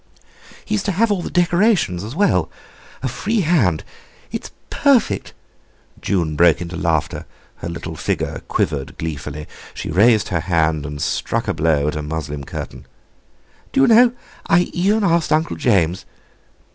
"He's to have all the decorations as well—a free hand. It's perfect—" June broke into laughter, her little figure quivered gleefully; she raised her hand, and struck a blow at a muslin curtain. "Do you, know I even asked Uncle James...."